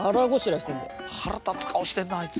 腹立つ顔してんなあいつ。